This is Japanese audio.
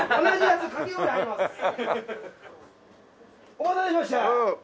お待たせしました！